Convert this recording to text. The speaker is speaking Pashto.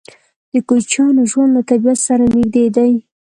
د کوچیانو ژوند له طبیعت سره نږدې دی.